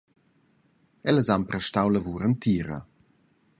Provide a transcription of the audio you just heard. Ellas han prestau lavur entira.